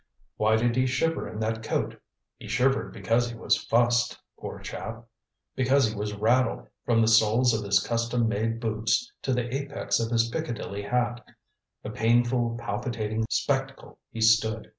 Why did he shiver in that coat? He shivered because he was fussed, poor chap. Because he was rattled, from the soles of his custom made boots to the apex of his Piccadilly hat. A painful, palpitating spectacle, he stood.